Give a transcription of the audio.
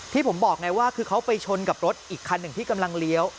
ที่ผมบอกไงว่าคือเขาไปชนกับรถอีกคันหนึ่งที่กำลังเลี้ยว